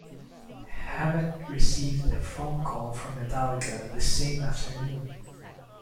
Hammett received a phone call from Metallica the same afternoon.